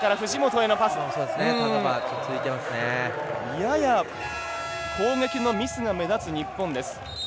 やや攻撃のミスが目立つ日本です。